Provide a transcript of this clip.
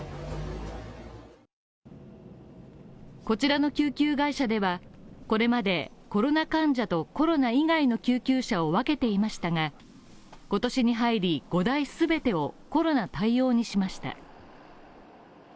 こちらの救急会社では、これまでコロナ患者と、コロナ以外の救急車を分けていましたが、今年に入り５台全てをコロナ対応にしました。